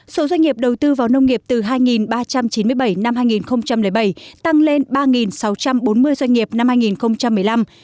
số doanh nghiệp đầu tư vào nông nghiệp từ hai ba trăm chín mươi bảy năm hai nghìn bảy tăng lên ba sáu trăm bốn mươi doanh nghiệp năm hai nghìn một mươi năm